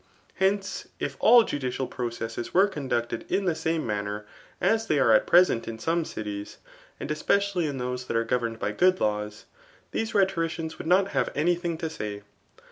Hence, if all judicial pro cesses were conducted in the same manner as they are at present in some cities, and especially in those that are governed by good hws, these rhetoricians would not have any tlidng to say.